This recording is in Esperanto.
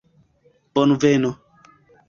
bonveno